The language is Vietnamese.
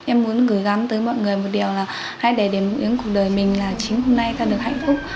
em muốn gửi gắn tới mọi người một điều là hai đề điểm mũi ứng cuộc đời mình là chính hôm nay ta được hạnh phúc